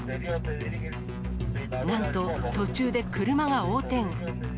なんと、途中で車が横転。